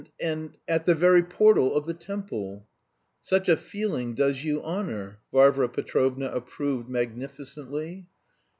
and at the very portal of the temple...." "Such a feeling does you honour," Varvara Petrovna approved magnificently.